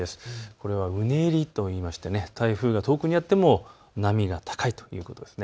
これはうねりといいまして台風が遠くにあっても波が高いということです。